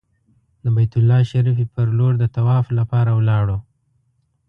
د بیت الله شریفې پر لور د طواف لپاره ولاړو.